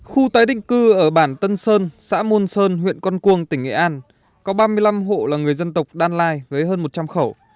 khu tái định cư ở bản tân sơn xã môn sơn huyện con cuông tỉnh nghệ an có ba mươi năm hộ là người dân tộc đan lai với hơn một trăm linh khẩu